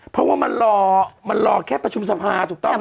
เพราะว่ามันรอมันรอแค่ประชุมสภาถูกต้องไหม